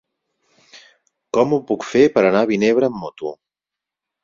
Com ho puc fer per anar a Vinebre amb moto?